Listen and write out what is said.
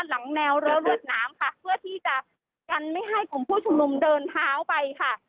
หลังแนวรั้วรวดน้ำค่ะเพื่อที่จะกันไม่ให้กลุ่มผู้ชุมนุมเดินเท้าไปค่ะ